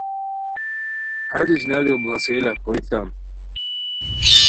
ہر اشناریو بڑاڅھئے لاکھوئے تان